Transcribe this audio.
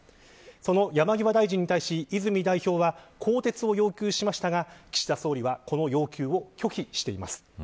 その山際大臣に対し更迭を要求しましたが岸田総理はこの要求を拒否しています。